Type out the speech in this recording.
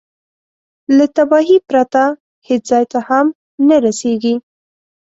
له تباهي پرته هېڅ ځای ته هم نه رسېږي.